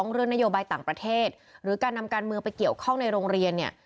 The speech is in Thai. เรื่องนโยบายต่างประเทศหรือการนำการเมืองไปเกี่ยวข้องในโรงเรียนเนี่ย